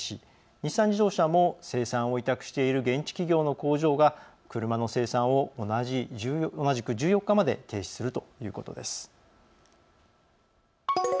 日産自動車も生産を委託している現地の工場が、車の生産を同じく１４日まで停止するということです。